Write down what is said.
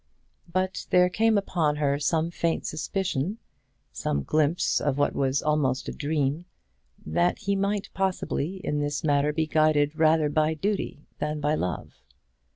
But there came upon her some faint suspicion some glimpse of what was almost a dream that he might possibly in this matter be guided rather by duty than by love.